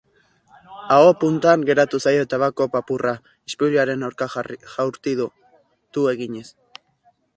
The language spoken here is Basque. Aho puntan geratu zaion tabako-papurra ispiluaren aurka jaurti du, tu eginez.